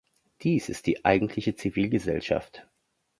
Dies ist die eigentliche Zivilgesellschaft.